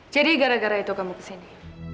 jadi gara gara itu kamu kesini